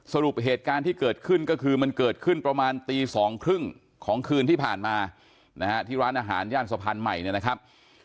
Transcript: สรุปเหตุการณ์ที่เกิดขึ้นก็คือมันเกิดขึ้นประมาณตีสองครึ่งของคืนที่ผ่านมานะฮะที่ร้านอาหารย่านสะพานใหม่เนี่ยนะครับ